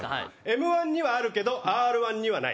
Ｍ−１にはあるけどＲ−１にはない。